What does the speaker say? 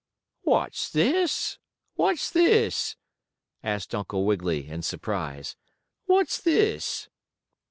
"What's this? What's this?" asked Uncle Wiggily, in surprise. "What's this?"